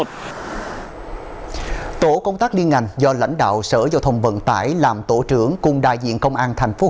tổ công tác liên ngành do lãnh đạo sở giao thông vận tải làm tổ trưởng cùng đại diện công an tp hcm